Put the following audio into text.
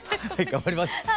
はい頑張ります！